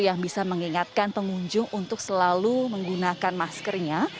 yang bisa mengingatkan pengunjung untuk selalu menggunakan maskernya